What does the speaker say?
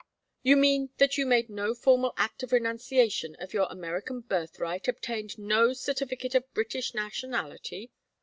"You mean that you made no formal act of renunciation of your American birthright, obtained no certificate of British nationality?"